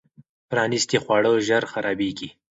پرانیستي خواړه ژر خرابېږي.